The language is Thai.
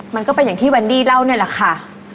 มันก็เป็นอย่างที่แวนดี้เล่านี่แหละค่ะ